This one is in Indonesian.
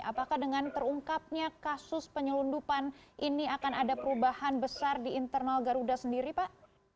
apakah dengan terungkapnya kasus penyelundupan ini akan ada perubahan besar di internal garuda sendiri pak